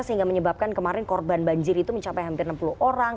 sehingga menyebabkan kemarin korban banjir itu mencapai hampir enam puluh orang